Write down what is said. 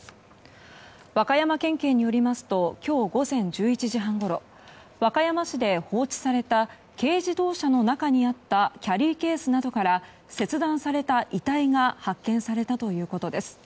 和歌山県警によりますと今日午前１１時半ごろ和歌山市で放置された軽自動車の中にあったキャリーケースなどから切断された遺体が発見されたということです。